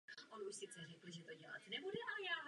Vyžádá si to čas.